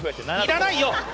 いらないよ！